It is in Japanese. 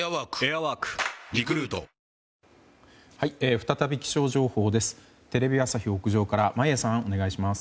再び気象情報です。